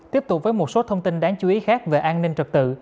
tiếp tục với một số thông tin đáng chú ý khác về an ninh trật tự